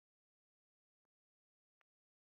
ngaho mu mwijima ndashobora kumva ahumeka,